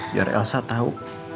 biar elsa tahu